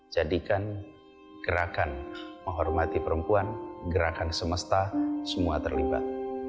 jadikan gerakan menghormati perempuan gerakan semesta semua terlibat